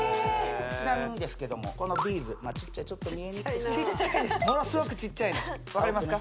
ちなみにですけどもこのビーズまあちっちゃいちょっと見えにくいかなちっちゃいですものすごくちっちゃいの分かりますか？